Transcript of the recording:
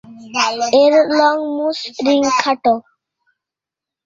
এর লোম মসৃণ, খাটো।